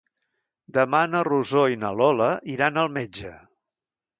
Demà na Rosó i na Lola iran al metge.